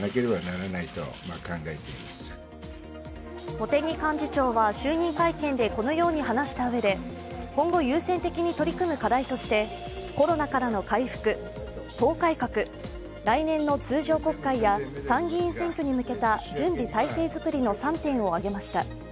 茂木幹事長は就任会見でこのように話したうえで、今後、優先的に取り組む課題としてコロナからの回復、党改革、来年の通常国会や参議院選挙に向けた準備体制づくりの３点を挙げました。